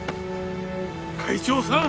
会長さん！